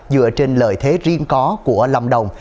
dựa trên lợi thế riêng có của lâm đồng